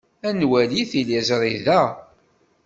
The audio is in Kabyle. Ad nwali tiliẓri da.